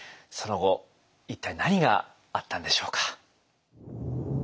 その後一体何があったんでしょうか。